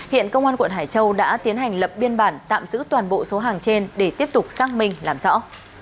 hiện công an quận hải châu đã tiến hành lập biên bản tạm giữ toàn bộ số hàng trên để tiếp tục xác minh làm rõ